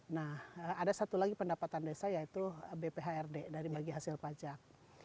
nah ada satu lagi pendapatan desa yaitu bphrd dari bagi hasil pajak